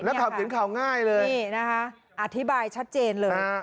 แล้วเขาเขียนข่าวง่ายเลยนี่นะคะอธิบายชัดเจนเลยครับ